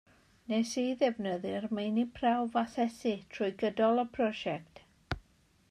Wnes i ddefnyddio'r meini prawf asesu trwy gydol y prosiect.